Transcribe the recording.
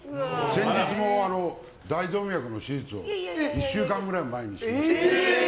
先日も大動脈の手術を１週間くらい前にしまして。